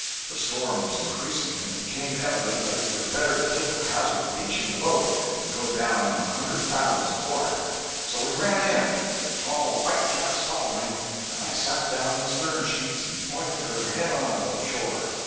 The storm was increasing, and it became evident that it was better to take the hazard of beaching the boat than go down in a hundred fathoms of water; so we ran in, with tall white caps following, and I sat down in the stern sheets and pointed her head on to the shore.